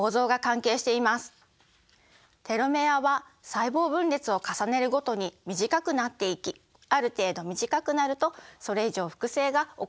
テロメアは細胞分裂を重ねるごとに短くなっていきある程度短くなるとそれ以上複製が行われないようになります。